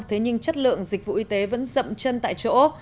thế nhưng chất lượng dịch vụ y tế vẫn rậm chân tại chỗ